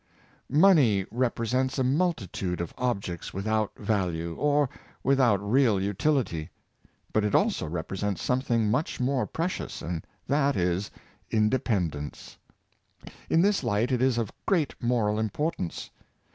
404 Uses of Saved Mofiey. Money represents a multitude of objects without value, or without real utility; but it also represents something much more precious, and that is independ ence. In this light it is of great moral importance.